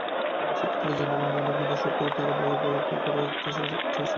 শিক্ষার্থীরা জানালেন, অনেক বাধা সত্ত্বেও তাঁরা ভালো ফলাফল ধরে রাখতে চেষ্টা করছেন।